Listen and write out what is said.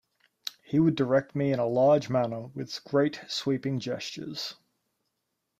He would direct me in a large manner with great sweeping gestures.